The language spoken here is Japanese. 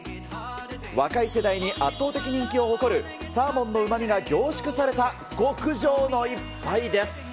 若い世代に圧倒的人気を誇る、サーモンのうまみが凝縮された、極上の一杯です。